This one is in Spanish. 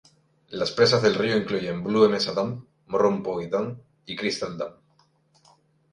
Las presas del río incluyen "Blue Mesa Dam", "Morrow Point Dam" y "Crystal Dam".